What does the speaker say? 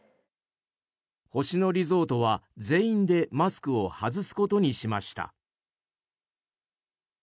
星野リゾートは、全員でマスクを外すことにしました。